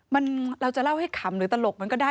มันเราจะเล่าให้ขำหรือตลกมันก็ได้